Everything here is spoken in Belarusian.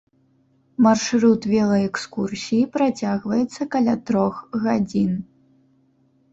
Маршрут велаэкскурсіі працягваецца каля трох гадзін.